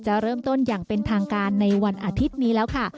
จะเริ่มต้นอย่างเป็นทางการในวันอาทิตย์นี้แล้วค่ะ